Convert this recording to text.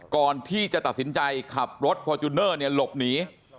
ก่อนที่จะตัดสินใจขับรถฟอร์จูเนอร์หลบหนี